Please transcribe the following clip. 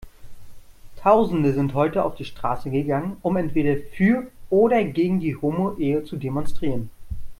Tausende sind heute auf die Straße gegangen, um entweder für oder gegen die Homoehe zu demonstrieren.